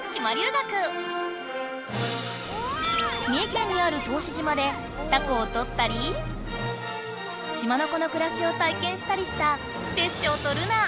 三重県にある答志島でタコをとったり島の子の暮らしを体験したりしたテッショウとルナ。